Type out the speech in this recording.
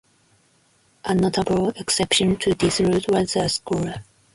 A notable exception to this rule was the scholar.